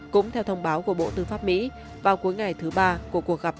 cũng theo thông báo của bộ tư pháp mỹ vào cuối ngày thứ ba của cuộc gặp